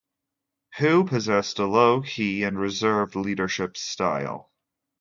Hu possessed a low-key and reserved leadership style.